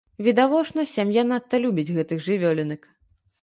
Відавочна, сям'я надта любіць гэтых жывёлінак.